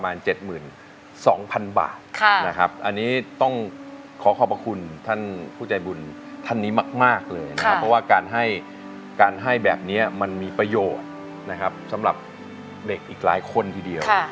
อันนี้ต้องขอขอบพระคุณท่านผู้ใจบุญท่านนี้มากเลยนะครับเพราะว่าการให้การให้แบบนี้มันมีประโยชน์นะครับสำหรับเด็กอีกหลายคนทีเดียว